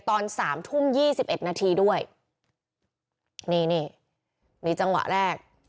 ตอนสามทุ่มยี่สิบเอ็ดนาทีด้วยนี่นี่จังหวะแรก